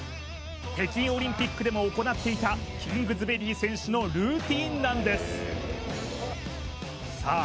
北京オリンピックでも行っていたキングズベリー選手のルーティンなんですさあ